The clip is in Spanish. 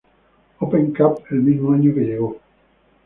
Open Cup el mismo año que llegó.